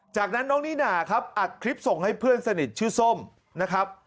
จากนั้นน้องนิน่าครับอัดคลิปส่งให้เพื่อนสนิทชื่อส้มนะครับ